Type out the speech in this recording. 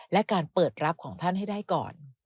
และการเปิดรับของท่านให้ได้ก่อน